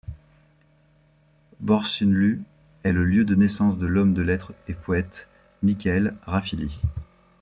Borsunlu est le lieu de naissance de l'homme de lettre et poète Mikael Rafili.